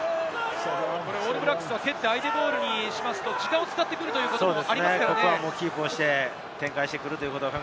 オールブラックスは競って相手ボールにすると時間を使ってくるということもありますからね。